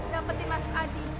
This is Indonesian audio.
dapetin mas adi